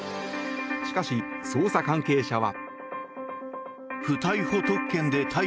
しかし、捜査関係者は。